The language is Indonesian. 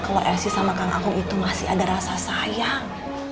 kalau asis sama kang akung itu masih ada rasa sayang